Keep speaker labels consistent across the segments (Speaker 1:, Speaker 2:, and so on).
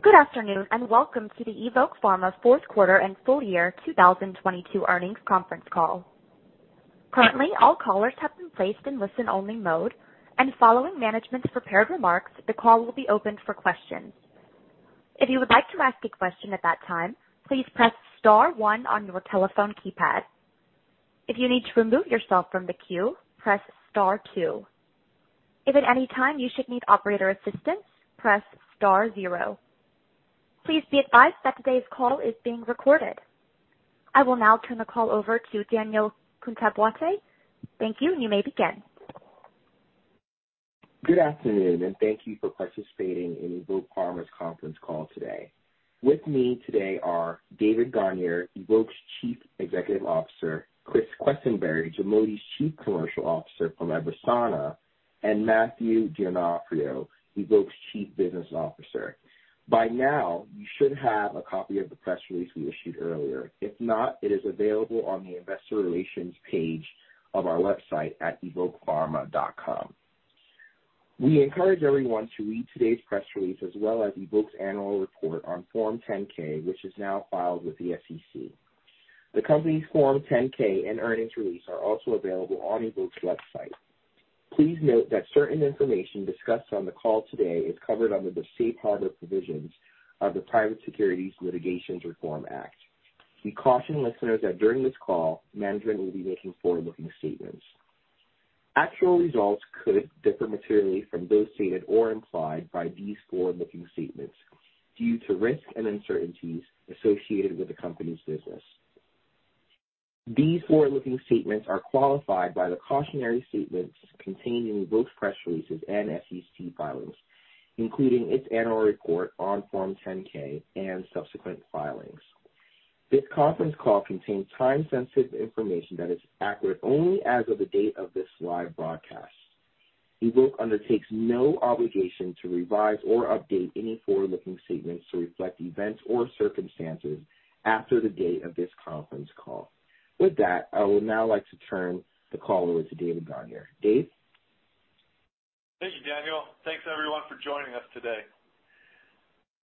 Speaker 1: Good afternoon, welcome to the Evoke Pharma fourth quarter and full year 2022 earnings conference call. Currently, all callers have been placed in listen-only mode, and following management's prepared remarks, the call will be opened for questions. If you would like to ask a question at that time, please press star one on your telephone keypad. If you need to remove yourself from the queue, press star two. If at any time you should need operator assistance, press star zero. Please be advised that today's call is being recorded. I will now turn the call over to Daniel Kontoh-Boateng. Thank you, and you may begin.
Speaker 2: Good afternoon, thank you for participating in Evoke Pharma's conference call today. With me today are David Gonyer, Evoke's Chief Executive Officer, Chris Quesenberry, GIMOTI's Chief Commercial Officer from EVERSANA, and Matthew D'Onofrio, Evoke's Chief Business Officer. By now, you should have a copy of the press release we issued earlier. If not, it is available on the investor relations page of our website at evokepharma.com. We encourage everyone to read today's press release as well as Evoke's annual report on Form 10-K, which is now filed with the SEC. The company's Form 10-K and earnings release are also available on Evoke's website. Please note that certain information discussed on the call today is covered under the Safe Harbor provisions of the Private Securities Litigation Reform Act. We caution listeners that during this call, management will be making forward-looking statements. Actual results could differ materially from those stated or implied by these forward-looking statements due to risks and uncertainties associated with the company's business. These forward-looking statements are qualified by the cautionary statements contained in Evoke's press releases and SEC filings, including its annual report on Form 10-K and subsequent filings. This conference call contains time-sensitive information that is accurate only as of the date of this live broadcast. Evoke undertakes no obligation to revise or update any forward-looking statements to reflect events or circumstances after the date of this conference call. With that, I would now like to turn the call over to David Gonyer. Dave?
Speaker 3: Thank you, Daniel. Thanks everyone for joining us today.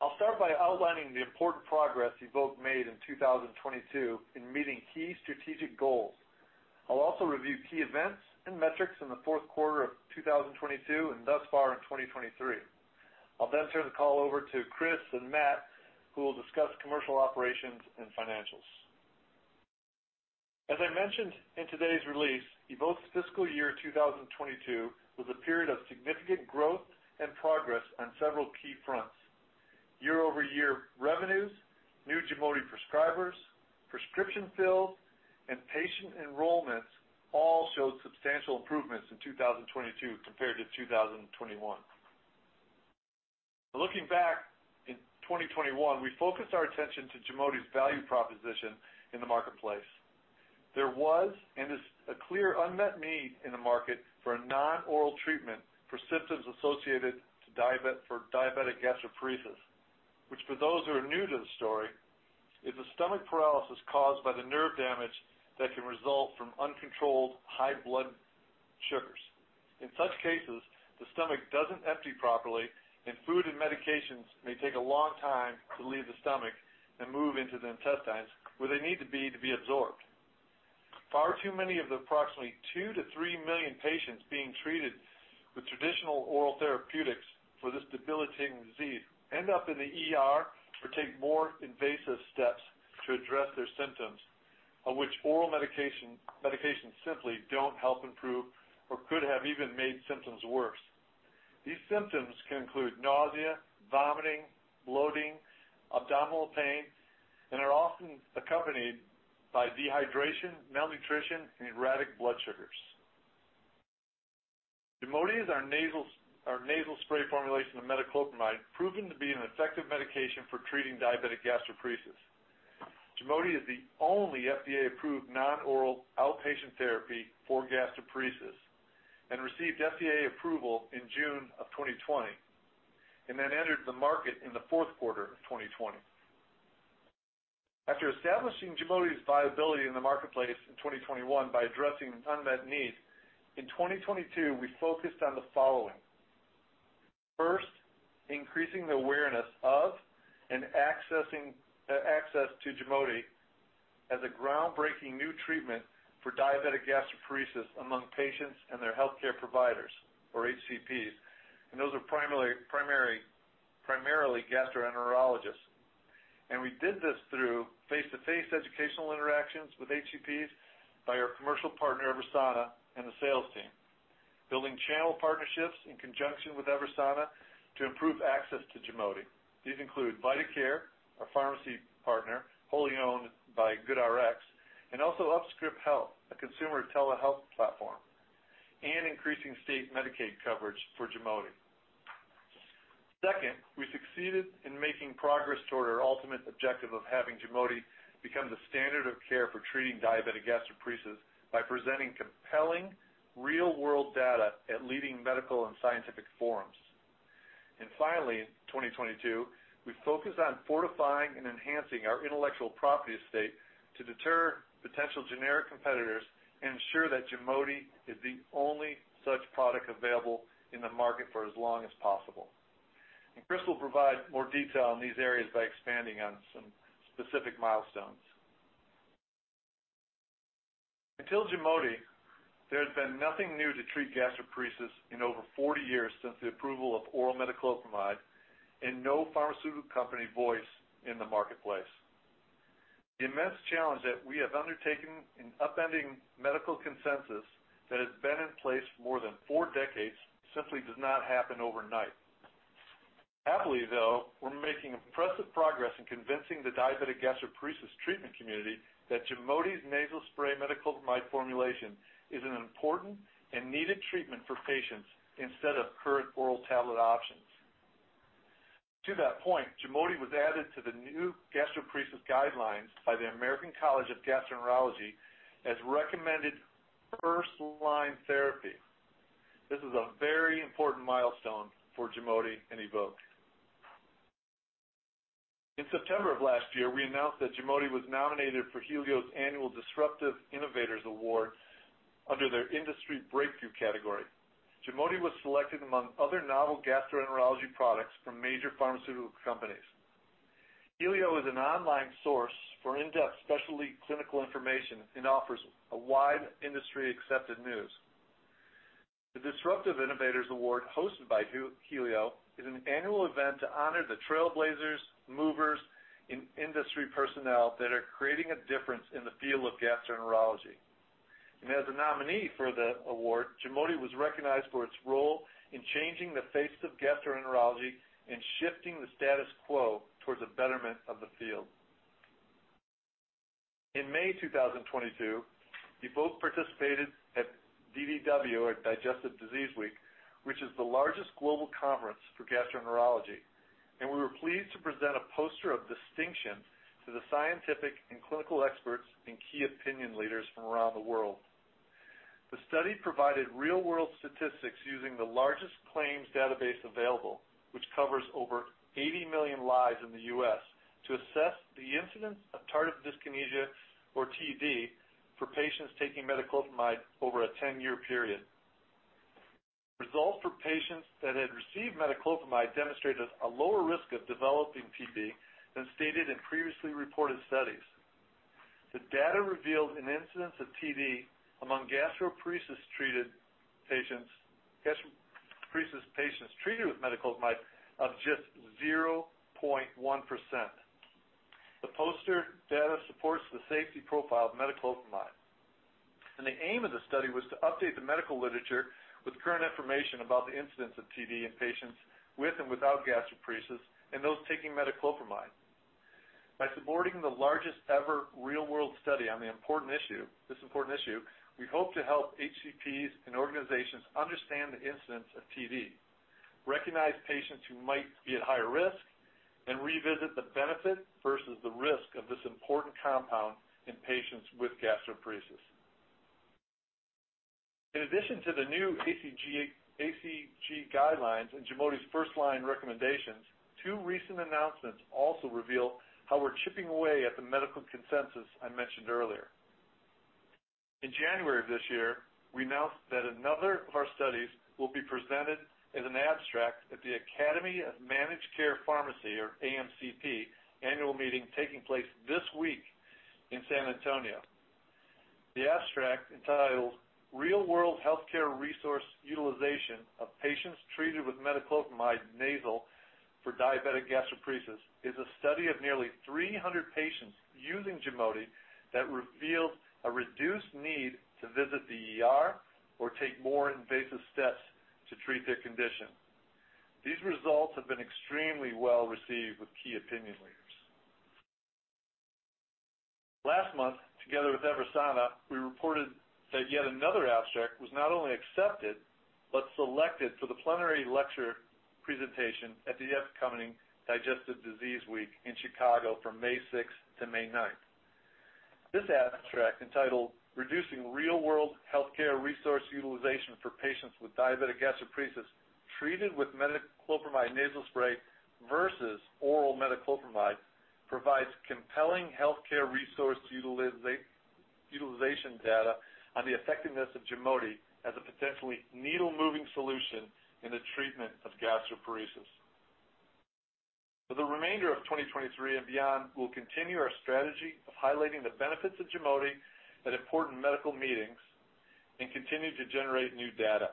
Speaker 3: I'll start by outlining the important progress Evoke made in 2022 in meeting key strategic goals. I'll also review key events and metrics in the fourth quarter of 2022 and thus far in 2023. I'll turn the call over to Chris and Matt, who will discuss commercial operations and financials. As I mentioned in today's release, Evoke's fiscal year 2022 was a period of significant growth and progress on several key fronts. Year-over-year revenues, new GIMOTI prescribers, prescription fills, and patient enrollments all showed substantial improvements in 2022 compared to 2021. Looking back, in 2021, we focused our attention to GIMOTI's value proposition in the marketplace. There was and is a clear unmet need in the market for a non-oral treatment for symptoms associated to for diabetic gastroparesis, which for those who are new to the story, is a stomach paralysis caused by the nerve damage that can result from uncontrolled high blood sugars. In such cases, the stomach doesn't empty properly, and food and medications may take a long time to leave the stomach and move into the intestines where they need to be to be absorbed. Far too many of the approximately 2 million-3 million patients being treated with traditional oral therapeutics for this debilitating disease end up in the ER or take more invasive steps to address their symptoms, of which oral medications simply don't help improve or could have even made symptoms worse. These symptoms can include nausea, vomiting, bloating, abdominal pain, and are often accompanied by dehydration, malnutrition, and erratic blood sugars. GIMOTI is our nasal spray formulation of metoclopramide, proven to be an effective medication for treating diabetic gastroparesis. GIMOTI is the only FDA-approved non-oral outpatient therapy for gastroparesis and received FDA approval in June of 2020, then entered the market in the fourth quarter of 2020. After establishing GIMOTI's viability in the marketplace in 2021 by addressing an unmet need, in 2022, we focused on the following. First, increasing the awareness of and accessing access to GIMOTI as a groundbreaking new treatment for diabetic gastroparesis among patients and their healthcare providers or HCPs, and those are primarily gastroenterologists. We did this through face-to-face educational interactions with HCPs by our commercial partner, EVERSANA, and the sales team. Building channel partnerships in conjunction with EVERSANA to improve access to GIMOTI. These include VitaCare, our pharmacy partner, wholly owned by GoodRx, and also UpScriptHealth, a consumer telehealth platform, and increasing state Medicaid coverage for GIMOTI. Second, we succeeded in making progress toward our ultimate objective of having GIMOTI become the standard of care for treating diabetic gastroparesis by presenting compelling real-world data at leading medical and scientific forums. Finally, in 2022, we've focused on fortifying and enhancing our intellectual property estate to deter potential generic competitors and ensure that GIMOTI is the only such product available in the market for as long as possible. Chris will provide more detail on these areas by expanding on some specific milestones. Until GIMOTI, there has been nothing new to treat gastroparesis in over 40 years since the approval of oral metoclopramide and no pharmaceutical company voice in the marketplace. The immense challenge that we have undertaken in upending medical consensus that has been in place for more than four decades simply does not happen overnight. Happily though, we're making impressive progress in convincing the diabetic gastroparesis treatment community that GIMOTI's nasal spray metoclopramide formulation is an important and needed treatment for patients instead of current oral tablet options. To that point, GIMOTI was added to the new gastroparesis guidelines by the American College of Gastroenterology as recommended first-line therapy. This is a very important milestone for GIMOTI and Evoke. In September of last year, we announced that GIMOTI was nominated for Healio's annual Disruptive Innovators Awards under their Industry Breakthrough category. GIMOTI was selected among other novel gastroenterology products from major pharmaceutical companies. Healio is an online source for in-depth specialty clinical information and offers a wide industry-accepted news. The Disruptive Innovators Award hosted by Healio is an annual event to honor the trailblazers, movers, and industry personnel that are creating a difference in the field of gastroenterology. As a nominee for the award, GIMOTI was recognized for its role in changing the face of gastroenterology and shifting the status quo towards the betterment of the field. In May 2022, Evoke participated at DDW or Digestive Disease Week, which is the largest global conference for gastroenterology, and we were pleased to present a poster of distinction to the scientific and clinical experts and key opinion leaders from around the world. The study provided real-world statistics using the largest claims database available, which covers over 80 million lives in the U.S. to assess the incidence of tardive dyskinesia or TD for patients taking metoclopramide over a 10-year period. Results for patients that had received metoclopramide demonstrated a lower risk of developing TD than stated in previously reported studies. The data revealed an incidence of TD among gastroparesis patients treated with metoclopramide of just 0.1%. The poster data supports the safety profile of metoclopramide. The aim of the study was to update the medical literature with current information about the incidence of TD in patients with and without gastroparesis, and those taking metoclopramide. By supporting the largest ever real-world study on this important issue, we hope to help HCPs and organizations understand the incidence of TD, recognize patients who might be at higher risk, and revisit the benefit versus the risk of this important compound in patients with gastroparesis. In addition to the new ACG guidelines and GIMOTI's first-line recommendations, two recent announcements also reveal how we're chipping away at the medical consensus I mentioned earlier. In January of this year, we announced that another of our studies will be presented as an abstract at the Academy of Managed Care Pharmacy, or AMCP, annual meeting taking place this week in San Antonio. The abstract, entitled Real-World Healthcare Resource Utilization of Patients Treated with Metoclopramide Nasal for Diabetic Gastroparesis, is a study of nearly 300 patients using GIMOTI that revealed a reduced need to visit the ER or take more invasive steps to treat their condition. These results have been extremely well-received with key opinion leaders. Last month, together with EVERSANA, we reported that yet another abstract was not only accepted but selected for the plenary lecture presentation at the upcoming Digestive Disease Week in Chicago from May 6th to May 9th. This abstract, entitled Reducing Real-World Healthcare Resource Utilization for Patients with Diabetic Gastroparesis Treated with Metoclopramide Nasal Spray Versus Oral Metoclopramide, provides compelling healthcare resource utilization data on the effectiveness of GIMOTI as a potentially needle-moving solution in the treatment of gastroparesis. For the remainder of 2023 and beyond, we'll continue our strategy of highlighting the benefits of GIMOTI at important medical meetings and continue to generate new data.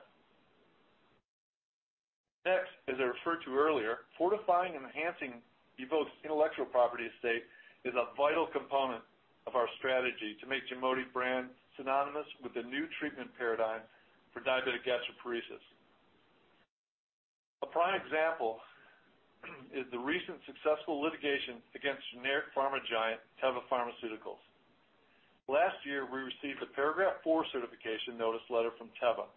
Speaker 3: As I referred to earlier, fortifying and enhancing Evoke's intellectual property estate is a vital component of our strategy to make GIMOTI brand synonymous with the new treatment paradigm for diabetic gastroparesis. A prime example is the recent successful litigation against generic pharma giant Teva Pharmaceuticals. Last year, we received a Paragraph IV certification notice letter from Teva.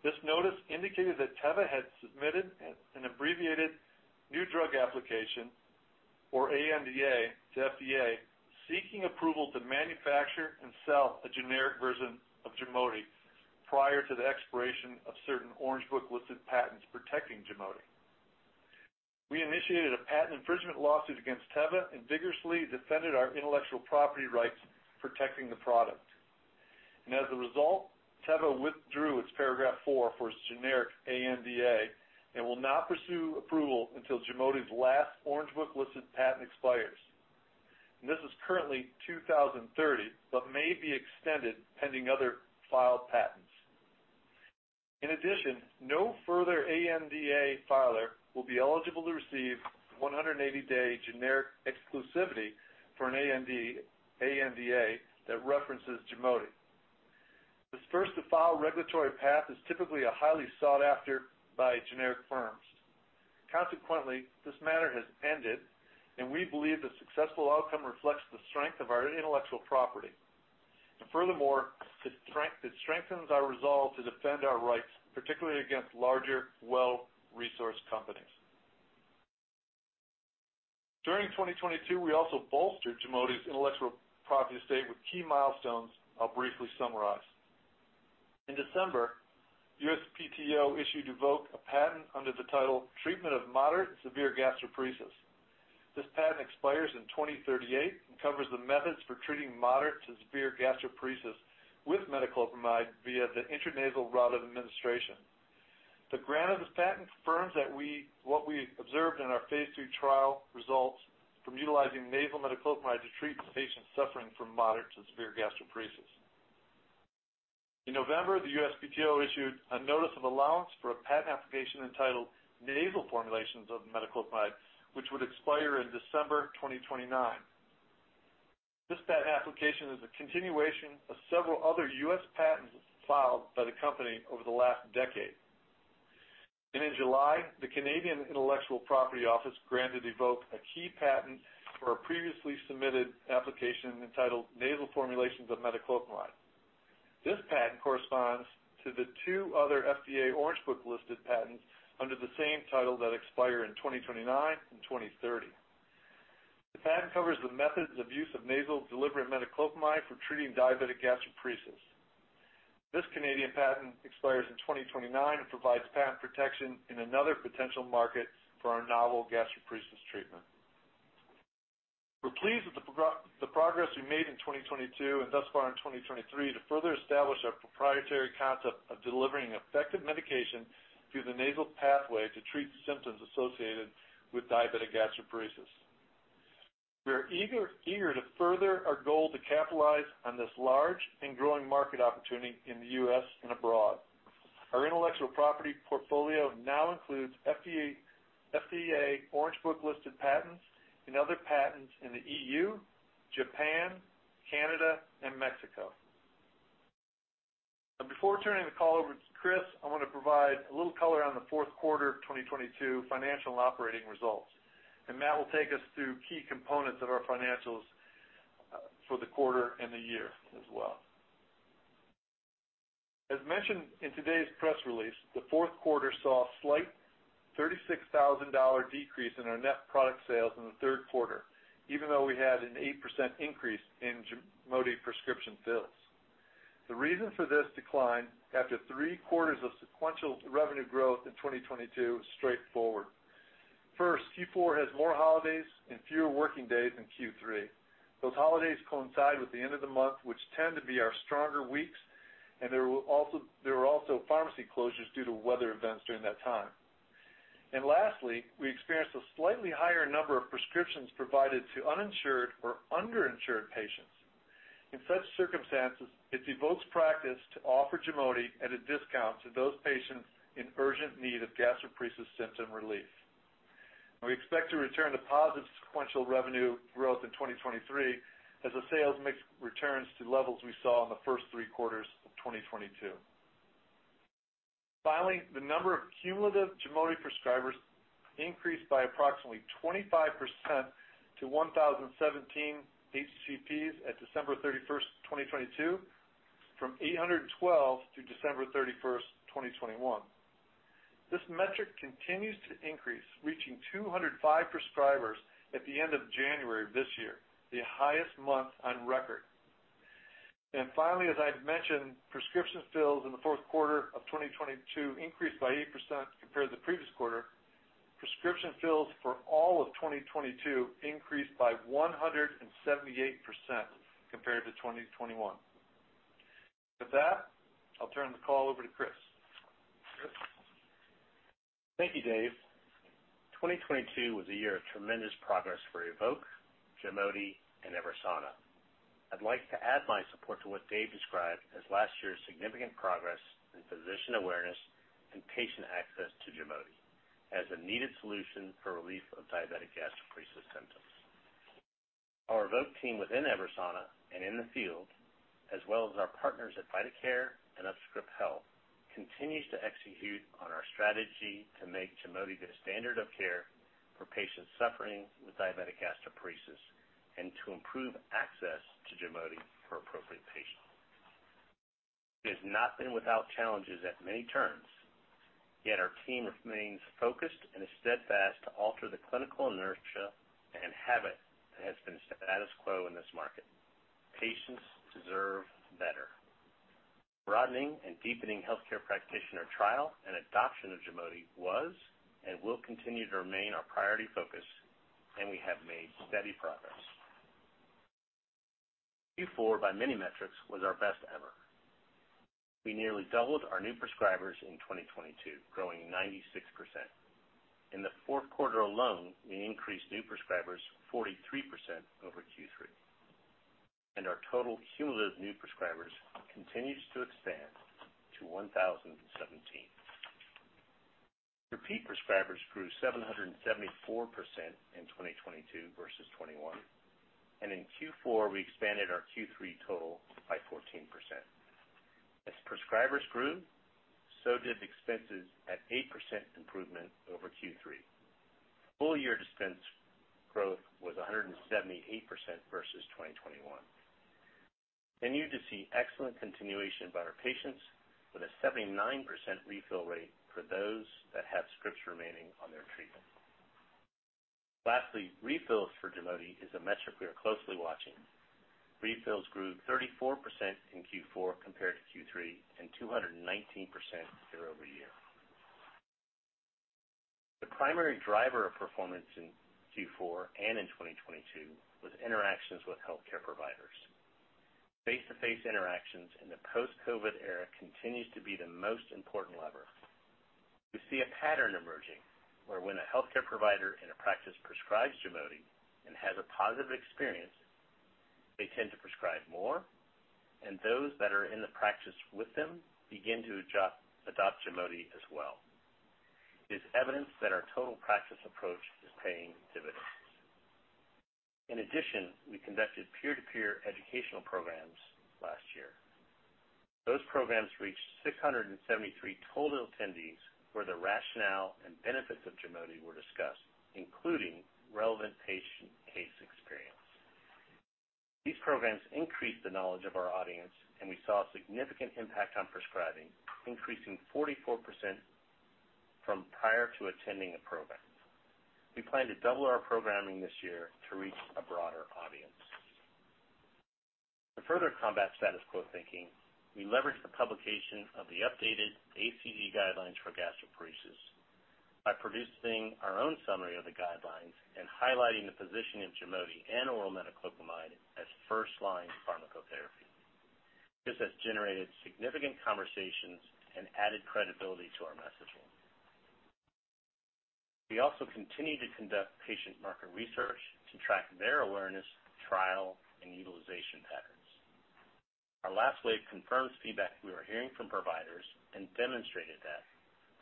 Speaker 3: This notice indicated that Teva had submitted an abbreviated new drug application or ANDA to FDA seeking approval to manufacture and sell a generic version of GIMOTI prior to the expiration of certain Orange Book listed patents protecting GIMOTI. We initiated a patent infringement lawsuit against Teva and vigorously defended our intellectual property rights protecting the product. As a result, Teva withdrew its Paragraph IV for its generic ANDA and will not pursue approval until GIMOTI's last Orange Book listed patent expires. This is currently 2030, but may be extended pending other filed patents. In addition, no further ANDA filer will be eligible to receive 180-day generic exclusivity for an ANDA that references GIMOTI. This first to file regulatory path is typically a highly sought after by generic firms. Consequently, this matter has ended, and we believe the successful outcome reflects the strength of our intellectual property. Furthermore, it strengthens our resolve to defend our rights, particularly against larger, well-resourced companies. During 2022, we also bolstered GIMOTI's intellectual property estate with key milestones I'll briefly summarize. In December, USPTO issued Evoke a patent under the title Treatment of Moderate and Severe Gastroparesis. This patent expires in 2038 and covers the methods for treating moderate to severe gastroparesis with metoclopramide via the intranasal route of administration. The grant of this patent confirms what we observed in our phase II trial results from utilizing nasal metoclopramide to treat patients suffering from moderate to severe gastroparesis. In November, the USPTO issued a notice of allowance for a patent application entitled Nasal Formulations of Metoclopramide, which would expire in December 2029. This patent application is a continuation of several other U.S. patents filed by the company over the last decade. In July, the Canadian Intellectual Property Office granted Evoke a key patent for a previously submitted application entitled Nasal Formulations of Metoclopramide. This patent corresponds to the two other FDA Orange Book listed patents under the same title that expire in 2029 and 2030. The patent covers the methods of use of nasal delivery metoclopramide for treating diabetic gastroparesis. This Canadian patent expires in 2029 and provides patent protection in another potential market for our novel gastroparesis treatment. We're pleased with the progress we made in 2022 and thus far in 2023 to further establish our proprietary concept of delivering effective medication through the nasal pathway to treat symptoms associated with diabetic gastroparesis. We are eager to further our goal to capitalize on this large and growing market opportunity in the U.S. and abroad. Our intellectual property portfolio now includes FDA Orange Book listed patents and other patents in the EU, Japan, Canada, and Mexico. Before turning the call over to Chris, I wanna provide a little color on the fourth quarter of 2022 financial and operating results. Matt will take us through key components of our financials for the quarter and the year as well. As mentioned in today's press release, the fourth quarter saw a slight $36,000 decrease in our net product sales in the third quarter, even though we had an 8% increase in GIMOTI prescription fills. The reason for this decline after three quarters of sequential revenue growth in 2022 is straightforward. First, Q4 has more holidays and fewer working days than Q3. Those holidays coincide with the end of the month, which tend to be our stronger weeks, and there were also pharmacy closures due to weather events during that time. Lastly, we experienced a slightly higher number of prescriptions provided to uninsured or underinsured patients. In such circumstances, it's Evoke's practice to offer GIMOTI at a discount to those patients in urgent need of gastroparesis symptom relief. We expect to return to positive sequential revenue growth in 2023 as the sales mix returns to levels we saw in the first three quarters of 2022. Finally, the number of cumulative GIMOTI prescribers increased by approximately 25% to 1,017 HCPs at December 31st, 2022, from 812 through December 31st, 2021. This metric continues to increase, reaching 205 prescribers at the end of January this year, the highest month on record. Finally, as I've mentioned, prescription fills in the fourth quarter of 2022 increased by 8% compared to the previous quarter. Prescription fills for all of 2022 increased by 178% compared to 2021. With that, I'll turn the call over to Chris. Chris?
Speaker 4: Thank you, Dave. 2022 was a year of tremendous progress for Evoke, GIMOTI, and EVERSANA. I'd like to add my support to what Dave described as last year's significant progress in physician awareness and patient access to GIMOTI as a needed solution for relief of diabetic gastroparesis symptoms. Our Evoke team within EVERSANA and in the field, as well as our partners at VitaCare and UpScriptHealth, continues to execute on our strategy to make GIMOTI the standard of care for patients suffering with diabetic gastroparesis and to improve access to GIMOTI for appropriate patients. It has not been without challenges at many turns. Our team remains focused and is steadfast to alter the clinical inertia and habit that has been status quo in this market. Patients deserve better. Broadening and deepening healthcare practitioner trial and adoption of GIMOTI was and will continue to remain our priority focus, and we have made steady progress. Q4, by many metrics, was our best ever. We nearly doubled our new prescribers in 2022, growing 96%. In the fourth quarter alone, we increased new prescribers 43% over Q3. Our total cumulative new prescribers continues to expand to 1,017. Repeat prescribers grew 774% in 2022 versus 2021, and in Q4, we expanded our Q3 total by 14%. As prescribers grew, so did dispenses at 8% improvement over Q3. Full year dispense growth was 178% versus 2021. Continued to see excellent continuation by our patients with a 79% refill rate for those that have scripts remaining on their treatment. Lastly, refills for GIMOTI is a metric we are closely watching. Refills grew 34% in Q4 compared to Q3, and 219% year-over-year. The primary driver of performance in Q4 and in 2022 was interactions with healthcare providers. Face-to-face interactions in the post-COVID era continues to be the most important lever. We see a pattern emerging where when a healthcare provider in a practice prescribes GIMOTI and has a positive experience, they tend to prescribe more, and those that are in the practice with them begin to adopt GIMOTI as well. It is evidence that our total practice approach is paying dividends. In addition, we conducted peer-to-peer educational programs last year. Those programs reached 673 total attendees, where the rationale and benefits of GIMOTI were discussed, including relevant patient case experience. These programs increased the knowledge of our audience, and we saw a significant impact on prescribing, increasing 44% from prior to attending a program. We plan to double our programming this year to reach a broader audience. To further combat status quo thinking, we leveraged the publication of the updated ACG guidelines for gastroparesis by producing our own summary of the guidelines and highlighting the position of GIMOTI and oral metoclopramide as first line pharmacotherapy. This has generated significant conversations and added credibility to our messaging. We also continue to conduct patient market research to track their awareness, trial, and utilization patterns. Our last wave confirms feedback we were hearing from providers and demonstrated that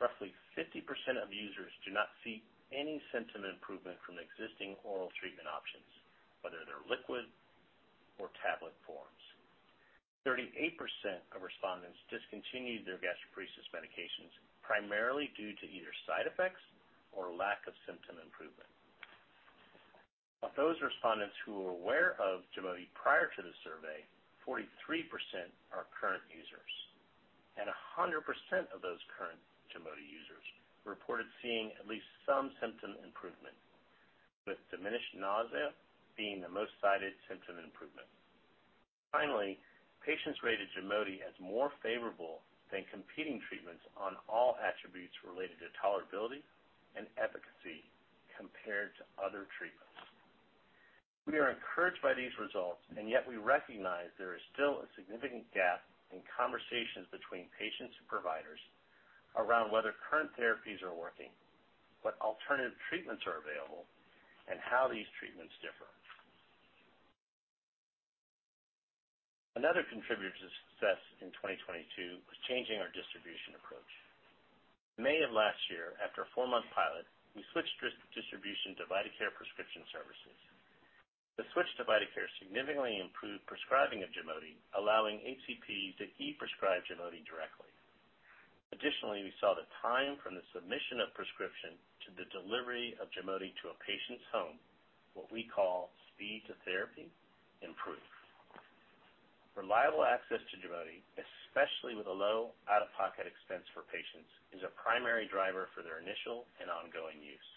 Speaker 4: roughly 50% of users do not see any symptom improvement from existing oral treatment options, whether they're liquid or tablet forms. 38% of respondents discontinued their gastroparesis medications, primarily due to either side effects or lack of symptom improvement. Of those respondents who were aware of GIMOTI prior to the survey, 43% are current users. A hundred percent of those current GIMOTI users reported seeing at least some symptom improvement, with diminished nausea being the most cited symptom improvement. Finally, patients rated GIMOTI as more favorable than competing treatments on all attributes related to tolerability and efficacy compared to other treatments. We are encouraged by these results, yet we recognize there is still a significant gap in conversations between patients and providers around whether current therapies are working, what alternative treatments are available, and how these treatments differ. Another contributor to success in 2022 was changing our distribution approach. In May of last year, after a four-month pilot, we switched distribution to VitaCare Prescription Services. The switch to VitaCare significantly improved prescribing of GIMOTI, allowing HCPs to e-prescribe GIMOTI directly. Additionally, we saw the time from the submission of prescription to the delivery of GIMOTI to a patient's home, what we call Speed-to-Therapy, improve. Reliable access to GIMOTI, especially with a low out-of-pocket expense for patients, is a primary driver for their initial and ongoing use.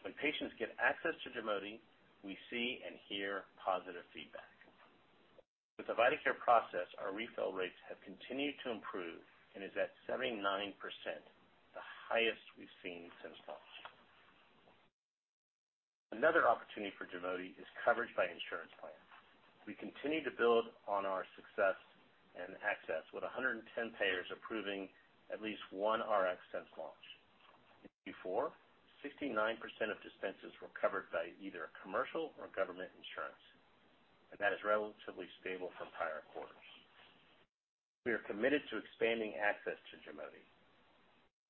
Speaker 4: When patients get access to GIMOTI, we see and hear positive feedback. With the VitaCare process, our refill rates have continued to improve and is at 79%, the highest we've seen since launch. Another opportunity for GIMOTI is coverage by insurance plans. We continue to build on our success and access with 110 payers approving at least one Rx since launch. In Q4, 69% of dispenses were covered by either commercial or government insurance, and that is relatively stable from prior quarters. We are committed to expanding access to GIMOTI.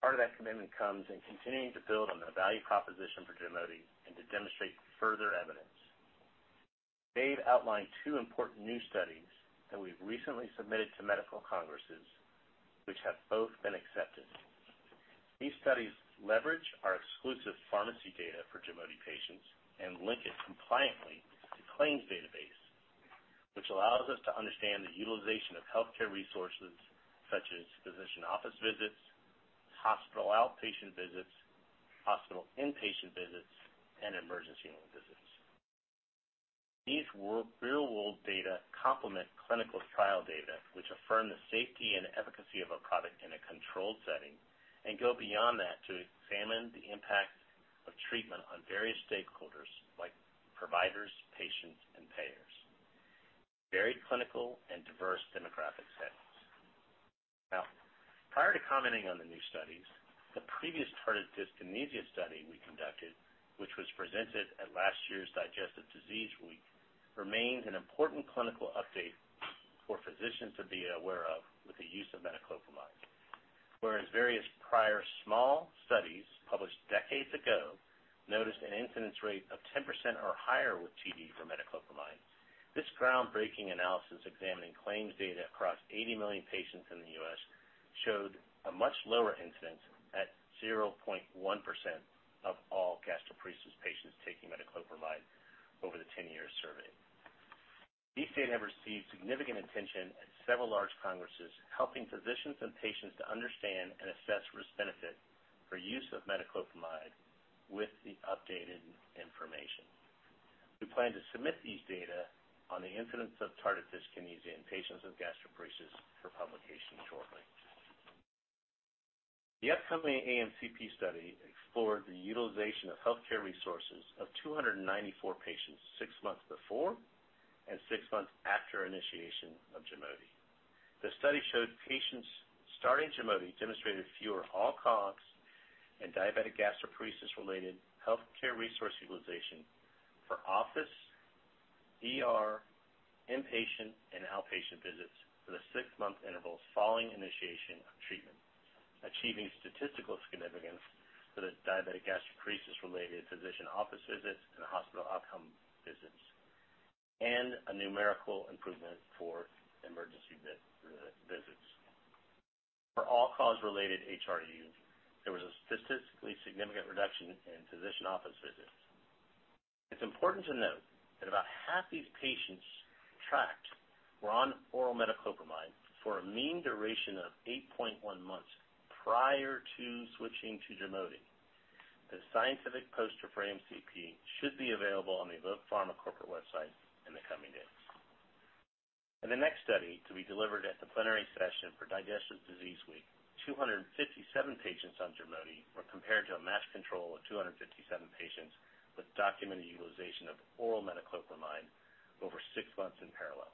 Speaker 4: Part of that commitment comes in continuing to build on the value proposition for GIMOTI and to demonstrate further evidence. Dave outlined two important new studies that we've recently submitted to medical congresses, which have both been accepted. These studies leverage our exclusive pharmacy data for GIMOTI patients and link it compliantly to claims database, which allows us to understand the utilization of healthcare resources such as physician office visits, hospital outpatient visits, hospital inpatient visits, and emergency room visits. These real-world data complement clinical trial data which affirm the safety and efficacy of a product in a controlled setting and go beyond that to examine the impact of treatment on various stakeholders like providers, patients, and payers. Very clinical and diverse demographic settings. Prior to commenting on the new studies, the previous tardive dyskinesia study we conducted, which was presented at last year's Digestive Disease Week, remains an important clinical update for physicians to be aware of with the use of metoclopramide. Whereas various prior small studies published decades ago noticed an incidence rate of 10% or higher with TD for metoclopramide, this groundbreaking analysis examining claims data across 80 million patients in the U.S. showed a much lower incidence at 0.1% of all gastroparesis patients taking metoclopramide over the 10-year survey. These data have received significant attention at several large congresses, helping physicians and patients to understand and assess risk benefit for use of metoclopramide with the updated information. We plan to submit these data on the incidence of tardive dyskinesia in patients with gastroparesis for publication shortly. The upcoming AMCP study explored the utilization of healthcare resources of 294 patients six months before and six months after initiation of GIMOTI. The study showed patients starting GIMOTI demonstrated fewer all-cause and diabetic gastroparesis-related healthcare resource utilization for office, ER, inpatient, and outpatient visits for the six-month intervals following initiation of treatment. Achieving statistical significance for the diabetic gastroparesis-related physician office visits and hospital outcome visits, and a numerical improvement for emergency visits. For all-cause related HRU, there was a statistically significant reduction in physician office visits. It's important to note that about half these patients tracked were on oral metoclopramide for a mean duration of 8.1 months prior to switching to GIMOTI. The scientific poster for AMCP should be available on the Evoke Pharma corporate website in the coming days. In the next study, to be delivered at the plenary session for Digestive Disease Week, 257 patients on GIMOTI were compared to a matched control of 257 patients with documented utilization of oral metoclopramide over six months in parallel.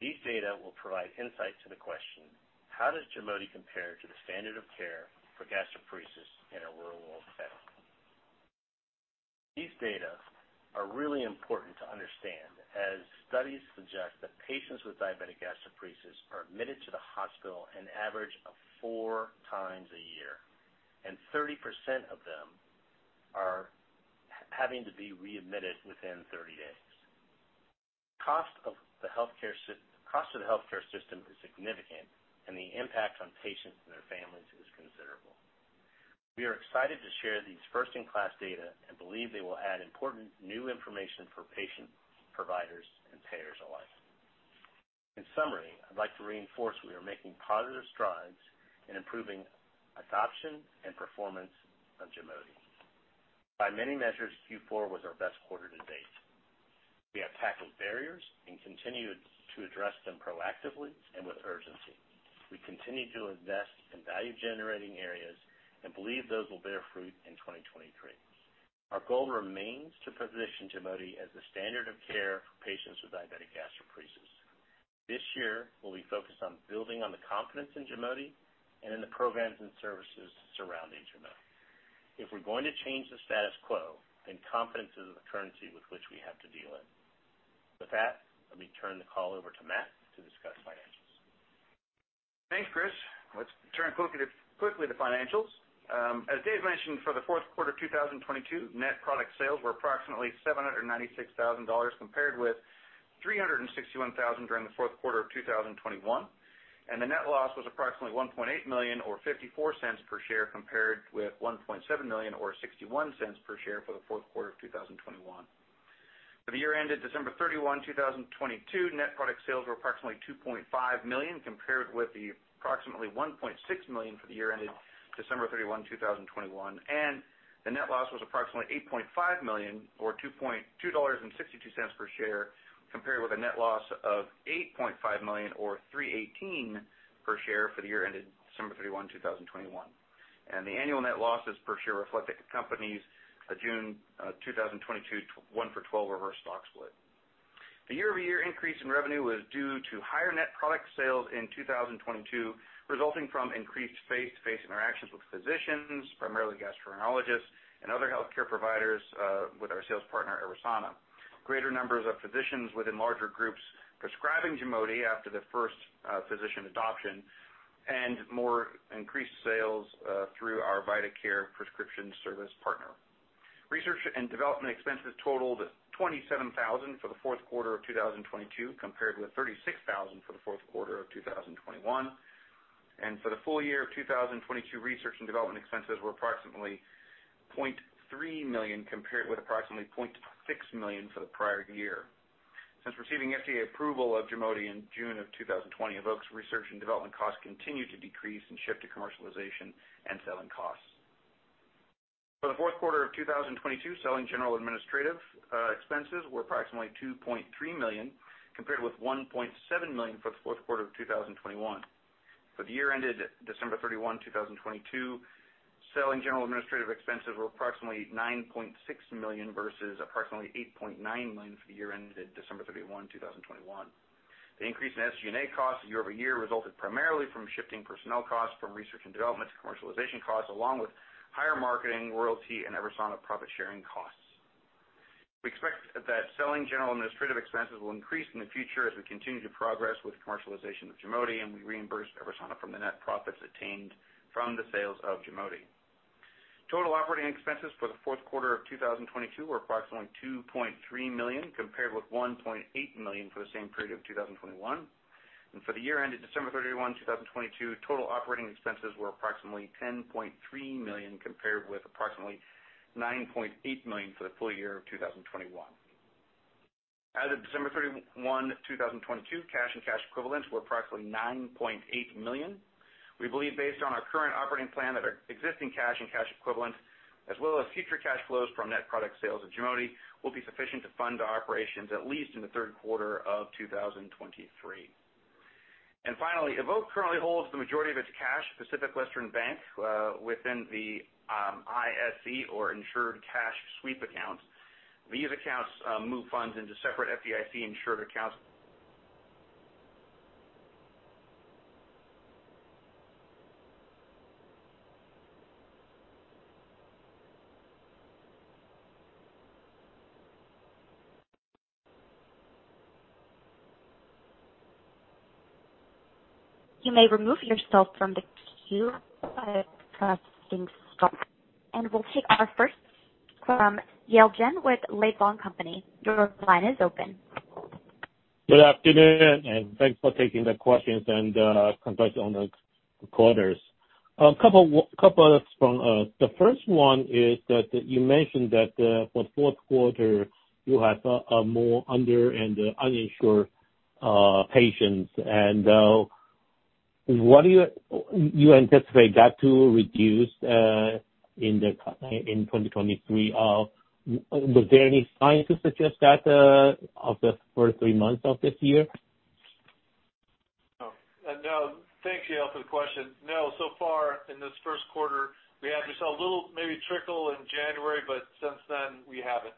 Speaker 4: These data will provide insight to the question: How does GIMOTI compare to the standard of care for gastroparesis in a real-world setting? These data are really important to understand, as studies suggest that patients with diabetic gastroparesis are admitted to the hospital an average of four times a year, and 30% of them are having to be readmitted within 30 days. Cost to the healthcare system is significant, and the impact on patients and their families is considerable. We are excited to share these first-in-class data and believe they will add important new information for patient, providers, and payers alike. In summary, I'd like to reinforce we are making positive strides in improving adoption and performance of GIMOTI. By many measures, Q4 was our best quarter to date. We have tackled barriers and continue to address them proactively and with urgency. We continue to invest in value-generating areas and believe those will bear fruit in 2023. Our goal remains to position GIMOTI as the standard of care for patients with diabetic gastroparesis. This year, we'll be focused on building on the confidence in GIMOTI and in the programs and services surrounding GIMOTI. If we're going to change the status quo, then confidence is the currency with which we have to deal in. With that, let me turn the call over to Matt to discuss financials.
Speaker 5: Thanks, Chris. Let's turn quickly to financials. As Dave mentioned, for the fourth quarter of 2022, net product sales were approximately $796,000 compared with $361,000 during the fourth quarter of 2021. The net loss was approximately $1.8 million or $0.54 per share compared with $1.7 million or $0.61 per share for the fourth quarter of 2021. For the year ended December 31, 2022, net product sales were approximately $2.5 million compared with the approximately $1.6 million for the year ended December 31, 2021. The net loss was approximately $8.5 million or $2.62 per share, compared with a net loss of $8.5 million or $3.18 per share for the year ended December 31, 2021. The annual net losses per share reflect the company's June 2022 1-for-12 reverse stock split. The year-over-year increase in revenue was due to higher net product sales in 2022, resulting from increased face-to-face interactions with physicians, primarily gastroenterologists and other healthcare providers with our sales partner, EVERSANA. Greater numbers of physicians within larger groups prescribing GIMOTI after the first physician adoption and more increased sales through our VitaCare Prescription Services partner. Research and development expenses totaled $27,000 for the fourth quarter of 2022, compared with $36,000 for the fourth quarter of 2021. For the full year of 2022, research and development expenses were approximately $0.3 million, compared with approximately $0.6 million for the prior year. Since receiving FDA approval of GIMOTI in June of 2020, Evoke's research and development costs continued to decrease and shift to commercialization and selling costs. For the fourth quarter of 2022, selling, general, administrative expenses were approximately $2.3 million, compared with $1.7 million for the fourth quarter of 2021. For the year ended December 31, 2022, selling, general, administrative expenses were approximately $9.6 million versus approximately $8.9 million for the year ended December 31, 2021. The increase in SG&A costs year-over-year resulted primarily from shifting personnel costs from research and development to commercialization costs, along with higher marketing, royalty and EVERSANA profit sharing costs. We expect that selling, general, administrative expenses will increase in the future as we continue to progress with commercialization of GIMOTI, and we reimburse EVERSANA from the net profits attained from the sales of GIMOTI. Total operating expenses for the fourth quarter of 2022 were approximately $2.3 million, compared with $1.8 million for the same period of 2021. For the year ended December 31, 2022, total operating expenses were approximately $10.3 million, compared with approximately $9.8 million for the full year of 2021. As of December 31, 2022, cash and cash equivalents were approximately $9.8 million. We believe based on our current operating plan that our existing cash and cash equivalents, as well as future cash flows from net product sales of GIMOTI will be sufficient to fund our operations at least in the third quarter of 2023. Finally, Evoke currently holds the majority of its cash, Pacific Western Bank, within the ICS or Insured Cash Sweep Account. These accounts move funds into separate FDIC insured accounts.
Speaker 1: You may remove yourself from the queue by pressing star. We'll take our first from Yale Jen with Laidlaw and Company. Your line is open.
Speaker 6: Good afternoon, and thanks for taking the questions and context on the quarters. A couple of from, the first one is that you mentioned that for fourth quarter you have more under and uninsured patients. What do you anticipate that to reduce in 2023? Was there any signs to suggest that of the first three months of this year?
Speaker 3: No. No. Thanks, Yale, for the question. No, so far in this first quarter we have just a little maybe trickle in January, but since then we haven't.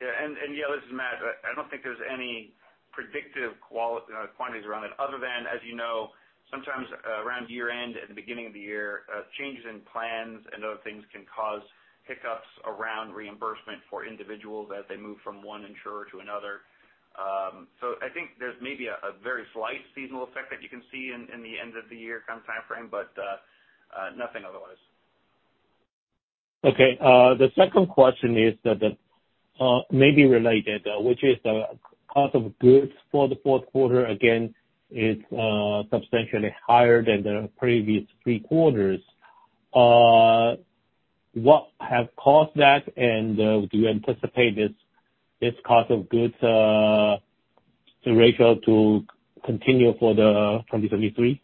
Speaker 5: Yale, this is Matt. I don't think there's any predictive quantities around it other than, as you know, sometimes around year-end and the beginning of the year, changes in plans and other things can cause hiccups around reimbursement for individuals as they move from one insurer to another. I think there's maybe a very slight seasonal effect that you can see in the end of the year kind of timeframe, nothing otherwise.
Speaker 6: Okay. The second question is that, maybe related, which is the cost of goods for the fourth quarter, again, is substantially higher than the previous three quarters. What have caused that? Do you anticipate this cost of goods ratio to continue for the 2023?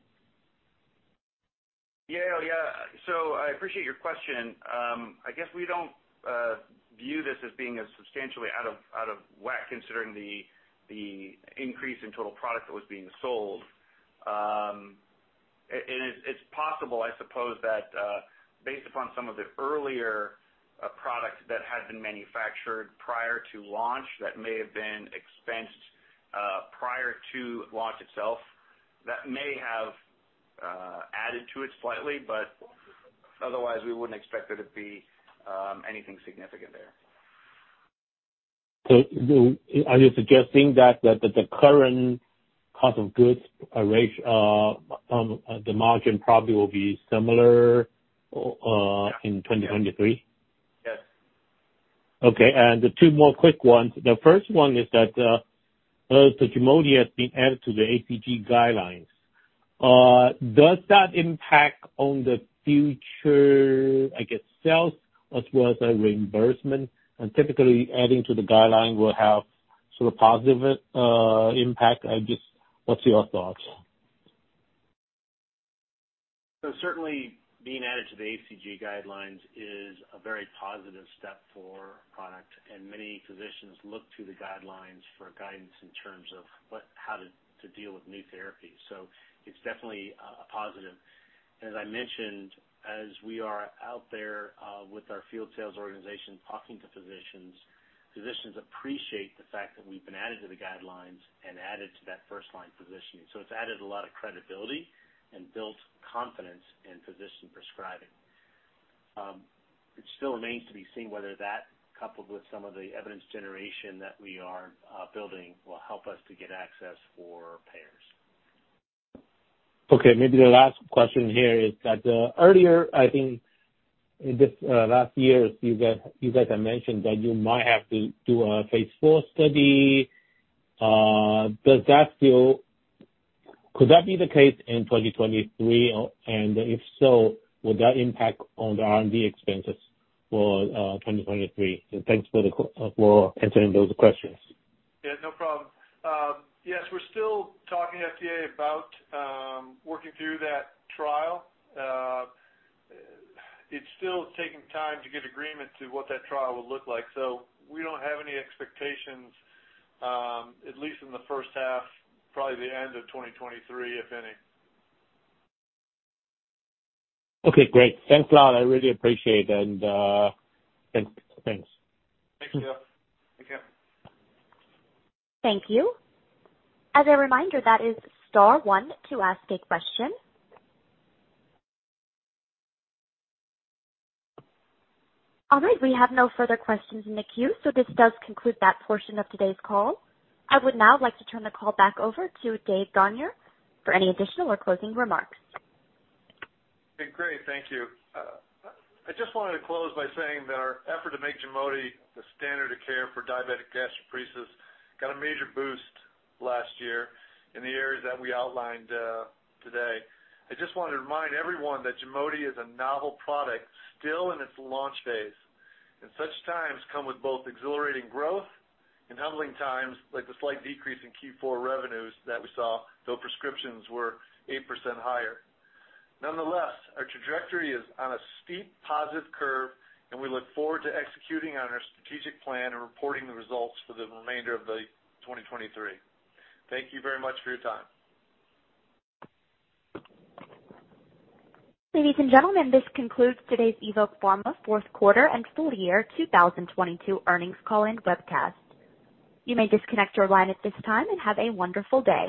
Speaker 5: Yale, yeah. I appreciate your question. I guess we don't view this as being as substantially out of, out of whack considering the increase in total product that was being sold. It's possible, I suppose, that based upon some of the earlier product that had been manufactured prior to launch that may have been expensed prior to launch itself, that may have added to it slightly, but otherwise we wouldn't expect there to be anything significant there.
Speaker 6: Are you suggesting that the current cost of goods, on the margin probably will be similar, in 2023?
Speaker 5: Yes.
Speaker 6: Okay. Two more quick ones. The first one is that, the GIMOTI has been added to the ACG guidelines. Does that impact on the future, I guess, sales as well as reimbursement? Typically adding to the guideline will have sort of positive impact. What's your thoughts?
Speaker 5: Certainly being added to the ACG guidelines is a very positive step for our product, and many physicians look to the guidelines for guidance in terms of how to deal with new therapies. It's definitely a positive. As I mentioned, as we are out there with our field sales organization talking to physicians appreciate the fact that we've been added to the guidelines and added to that first line positioning. It's added a lot of credibility and built confidence in physician prescribing. It still remains to be seen whether that, coupled with some of the evidence generation that we are building, will help us to get access for payers.
Speaker 6: Okay, maybe the last question here is that, earlier, I think in this, last year, you guys had mentioned that you might have to do a phase IV study. Could that be the case in 2023? If so, would that impact on the R&D expenses for 2023? Thanks for answering those questions.
Speaker 3: Yeah, no problem. Yes, we're still talking to FDA about, working through that trial. It's still taking time to get agreement to what that trial would look like. We don't have any expectations, at least in the first half, probably the end of 2023, if any.
Speaker 6: Okay, great. Thanks a lot. I really appreciate it, and thanks.
Speaker 3: Thanks, Yale. Take care.
Speaker 1: Thank you. As a reminder, that is star one to ask a question. All right, we have no further questions in the queue. This does conclude that portion of today's call. I would now like to turn the call back over to Dave Gonyer for any additional or closing remarks.
Speaker 3: Great. Thank you. I just wanted to close by saying that our effort to make GIMOTI the standard of care for diabetic gastroparesis got a major boost last year in the areas that we outlined today. I just wanted to remind everyone that GIMOTI is a novel product still in its launch phase. Such times come with both exhilarating growth and humbling times, like the slight decrease in Q4 revenues that we saw, though prescriptions were 8% higher. Nonetheless, our trajectory is on a steep positive curve. We look forward to executing on our strategic plan and reporting the results for the remainder of 2023. Thank you very much for your time.
Speaker 1: Ladies and gentlemen, this concludes today's Evoke Pharma fourth quarter and full year 2022 earnings call and webcast. You may disconnect your line at this time, and have a wonderful day.